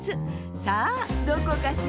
さあどこかしら？